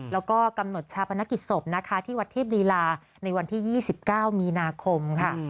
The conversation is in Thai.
แล้วก็กำหนดชาปนกิจศพนะคะที่วัดเทพลีลาในวันที่๒๙มีนาคมค่ะ